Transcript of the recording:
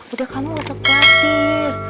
udah kamu masuk ke akhir